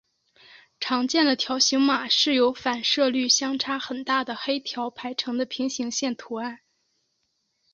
常见的条形码是由反射率相差很大的黑条排成的平行线图案。